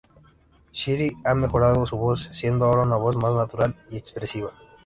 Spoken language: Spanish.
Siri a mejorado su voz siendo ahora una voz más natural y expresiva.